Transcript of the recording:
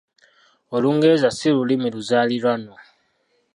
Olungereza si Lulimi luzaaliranwa.